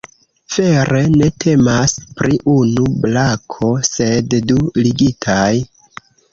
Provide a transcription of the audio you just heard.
Vere ne temas pri unu brako, sed du ligitaj.